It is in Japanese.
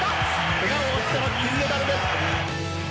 けがを押しての金メダルです！